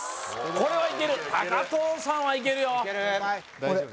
これはいける藤さんはいけるよ大丈夫です